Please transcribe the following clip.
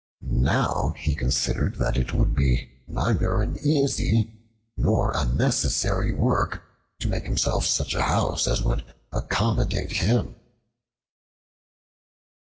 Now he considered that it would be neither an easy nor a necessary work to make himself such a house as would accommodate him.